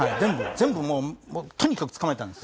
全部もうとにかく捕まえたんです。